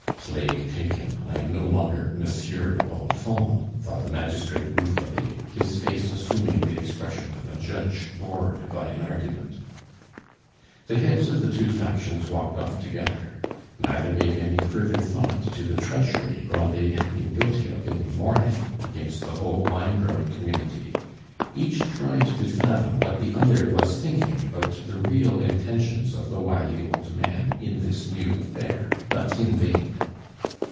"Plague take him! I am no longer Monsieur de Bonfons," thought the magistrate ruefully, his face assuming the expression of a judge bored by an argument. The heads of the two factions walked off together. Neither gave any further thought to the treachery Grandet had been guilty of in the morning against the whole wine growing community; each tried to fathom what the other was thinking about the real intentions of the wily old man in this new affair, but in vain.